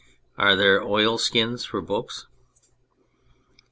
Are there oilskins for books